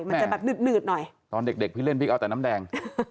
มันจะแบบหนืดหน่อยตอนเด็กเด็กพี่เล่นพลิกเอาแต่น้ำแดง